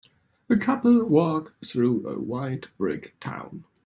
A couple walk through a white brick town.